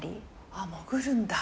あっ潜るんだ。